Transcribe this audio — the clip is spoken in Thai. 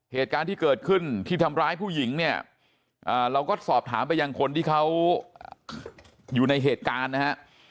เหตุการณ์ที่เกิดขึ้นที่ทำร้ายผู้หญิงเนี่ยเราก็สอบถามไปยังคนที่เขาอยู่ในเหตุการณ์นะฮะ